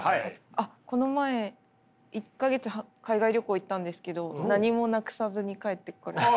あっこの前１か月海外旅行行ったんですけど何もなくさずに帰ってこれた。